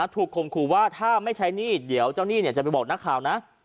ข่มขู่ว่าถ้าไม่ใช้หนี้เดี๋ยวเจ้าหนี้จะไปบอกนักข่าวนะ